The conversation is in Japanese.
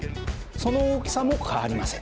その大きさも変わりません。